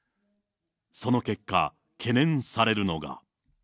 その結果、懸念されるのが。